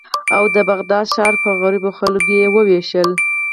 او د بغداد د ښار پر غریبو خلکو یې ووېشل.